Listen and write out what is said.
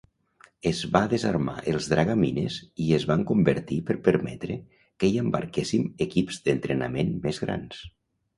Es va desarmar els dragamines i es van convertir per permetre que hi embarquéssim equips d'entrenament més grans.